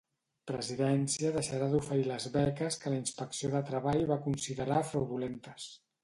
Presidència deixarà d'oferir les beques que la Inspecció de Treball va considerar fraudulentes.